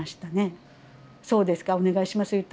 「そうですかお願いします」